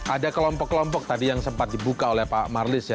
ada kelompok kelompok tadi yang sempat dibuka oleh pak marlis ya